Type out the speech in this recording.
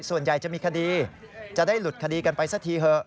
ส่วนใหญ่จะมีคดีจะได้หลุดคดีกันไปสักทีเถอะ